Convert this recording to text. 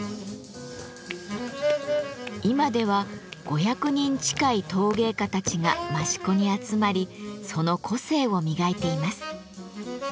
今では５００人近い陶芸家たちが益子に集まりその個性を磨いています。